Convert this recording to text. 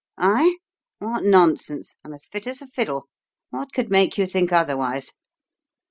"I? What nonsense! I'm as fit as a fiddle. What could make you think otherwise?"